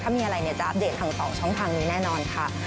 ถ้ามีอะไรเนี่ยจะอัปเดตทาง๒ช่องทางนี้แน่นอนค่ะ